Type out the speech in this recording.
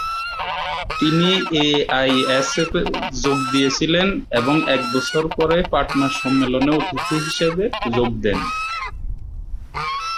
তিনি A I S এফ-এ যোগ দিয়েছিলেন এবং এক বছর পরে পাটনার সম্মেলনে অতিথি হিসাবে যোগ দেন।